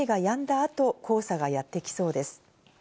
あと黄砂がやってきそうです。